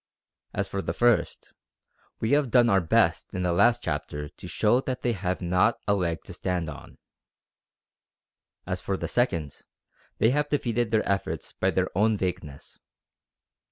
As for the first, we have done our best in the last chapter to show that they have not a leg to stand on. As for the second, they have defeated their efforts by their own vagueness.